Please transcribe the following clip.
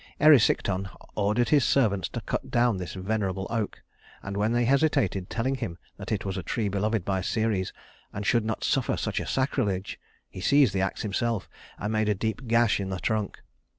Erysichthon ordered his servants to cut down this venerable oak; and when they hesitated, telling him that it was a tree beloved by Ceres and should not suffer such a sacrilege, he seized the ax himself and made a deep gash in the trunk.